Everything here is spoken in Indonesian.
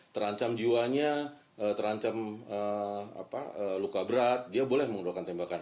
terancam jiwanya terancam luka berat dia boleh mengeluarkan tembakan